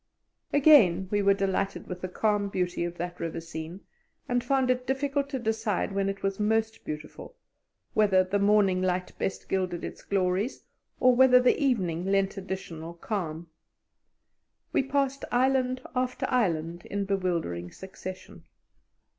Again we were delighted with the calm beauty of that river scene, and found it difficult to decide when it was most beautiful whether the morning light best gilded its glories or whether the evening lent additional calm. We passed island after island in bewildering succession.